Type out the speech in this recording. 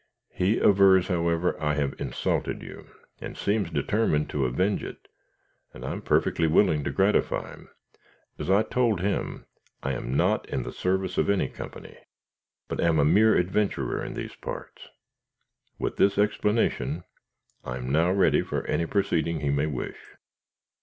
He avers, however, I have insulted you, and seems determined to avenge it, and I am perfectly willing to gratify him. As I told him, I am not in the service of any company, but am a mere adventurer in these parts. With this explanation I am now ready for any proceeding he may wish."